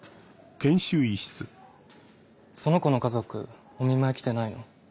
その子の家族お見舞い来てないの？